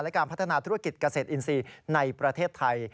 และการพัฒนาธุรกิจเกษตรอินทรีย์ในประเทศไทย